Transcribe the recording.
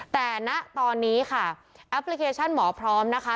แต่ณตอนนี้ค่ะแอปพลิเคชันหมอพร้อมนะคะ